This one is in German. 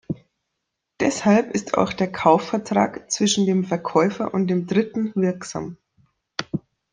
Deshalb ist auch der Kaufvertrag zwischen dem Verkäufer und dem Dritten wirksam.